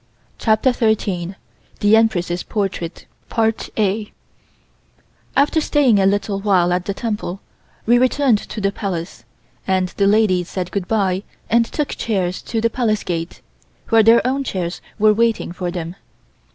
CHAPTER THIRTEEN THE EMPRESS'S PORTRAIT AFTER staying a little while at the temple, we returned to the Palace, and the ladies said goodbye and took chairs to the Palace gate, where their own chairs were waiting for them.